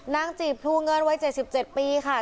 นางจีบทูเงินไว้๗๗ปีค่ะ